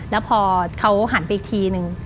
แล้วพอเขาหันไปอีกทีนึง